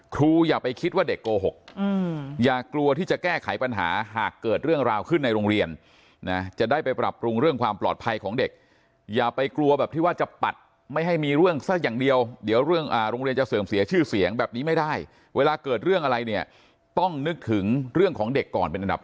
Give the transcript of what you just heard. อย่าไปคิดว่าเด็กโกหกอย่ากลัวที่จะแก้ไขปัญหาหากเกิดเรื่องราวขึ้นในโรงเรียนนะจะได้ไปปรับปรุงเรื่องความปลอดภัยของเด็กอย่าไปกลัวแบบที่ว่าจะปัดไม่ให้มีเรื่องซะอย่างเดียวเดี๋ยวเรื่องโรงเรียนจะเสื่อมเสียชื่อเสียงแบบนี้ไม่ได้เวลาเกิดเรื่องอะไรเนี่ยต้องนึกถึงเรื่องของเด็กก่อนเป็นอันดับ